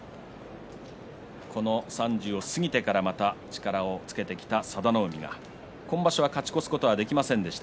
３０を過ぎてからまた力をつけてきた佐田の海が今場所は勝ち越すことができませんでした